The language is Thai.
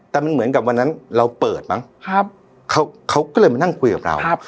แต่มันเหมือนกับวันนั้นเราเปิดมั้งเขาก็เลยมานั่งคุยกับเรา